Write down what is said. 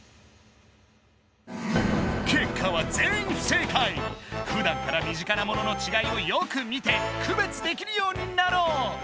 結果はふだんから身近なもののちがいをよく見て区別できるようになろう！